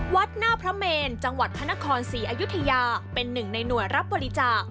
วัดหน้าพระเมนจังหวัดพระนครศรีอยุธยาเป็นหนึ่งในหน่วยรับบริจาค